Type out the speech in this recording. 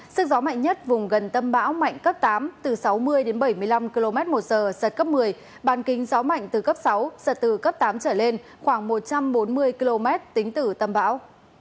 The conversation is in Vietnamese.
sức gió mạnh nhất vùng gần tâm bão mạnh cấp tám từ sáu mươi đến bảy mươi năm km một giờ giật cấp một mươi bàn kính gió mạnh từ cấp sáu giật từ cấp tám trở lên khoảng một trăm bốn mươi km tính từ tâm bão